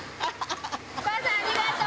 お母さん、ありがとう！